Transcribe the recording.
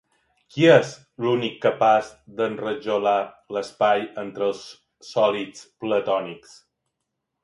Qui és l'únic capaç d'enrajolar l'espai entre els sòlids platònics?